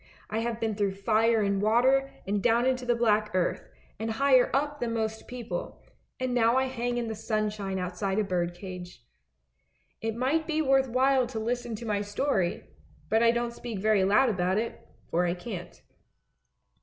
I have been through fire and water, and down into the black earth, and higher up than most people, and now I hang in the sunshine outside a bird cage. It might be worth while to listen to my story, but I don't speak very loud about it, for I can't."